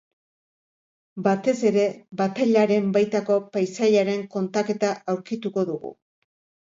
Batez ere batailaren baitako paisaiaren kontaketa aurkituko dugu.